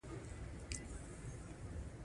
حیوانات مختلف غږونه لري.